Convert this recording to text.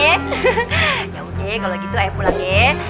hehehe yaudah kalo gitu ayo pulang yee